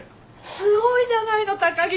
すごいじゃないの高木君。